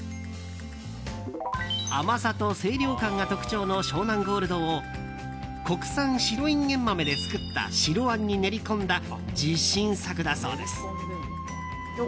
甘さと清涼感が特徴の湘南ゴールドを国産白インゲン豆で作った白あんに練り込んだ自信作だそうです。